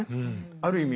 ある意味